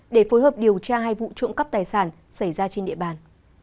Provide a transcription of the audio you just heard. để phối hợp điều tra hai vụ trộm cắp tài sản xảy ra trên địa bàn